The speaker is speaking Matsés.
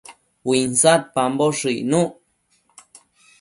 Uinsadpamboshë icnuc